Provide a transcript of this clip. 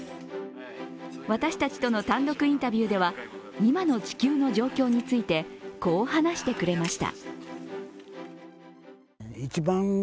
私たちとの単独インタビューでは、今の地球の状況について、こう話してくれました。